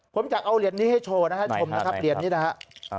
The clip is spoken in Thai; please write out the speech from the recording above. ผมอยากเอาเหรียญนี้ให้โชว์นะครับชมนะครับเหรียญนี้นะครับ